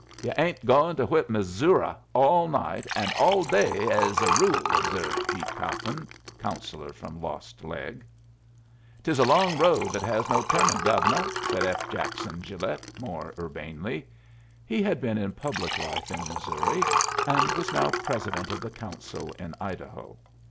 "Ye ain't goin' to whip Mizzooruh all night an' all day, ez a rule," observed Pete Cawthon, Councillor from Lost Leg. "'Tis a long road that has no turnin', Gove'nuh," said F. Jackson Gilet, more urbanely. He had been in public life in Missouri, and was now President of the Council in Idaho.